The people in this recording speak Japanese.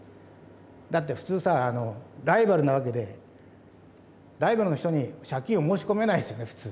だって普通さライバルなわけでライバルの人に借金を申し込めないですよね普通。